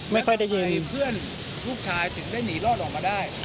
แล้วทำไมเพื่อนลูกชายถึงได้หนีรอดออกมาได้